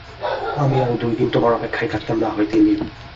আমি আরো দুইদিন তোমার অপেক্ষায় থাকতাম, নাহয় তিনদিন।